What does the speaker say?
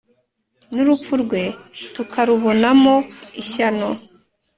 n’urupfu rwe tukarubonamo ishyano.